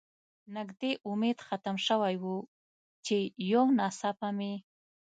نږدې امید ختم شوی و، چې یو ناڅاپه مې.